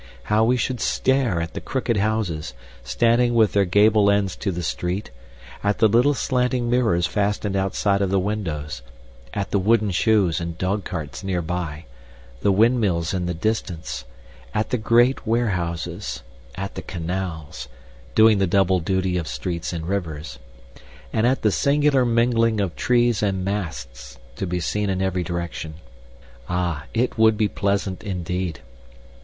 How we should stare at the crooked houses, standing with their gable ends to the street; at the little slanting mirrors fastened outside of the windows; at the wooden shoes and dogcarts nearby; the windmills in the distance; at the great warehouses; at the canals, doing the double duty of streets and rivers, and at the singular mingling of trees and masts to be seen in every direction. Ah, it would be pleasant, indeed!